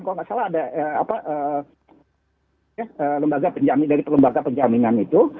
kalau nggak salah ada lembaga penjamin dari lembaga penjaminan itu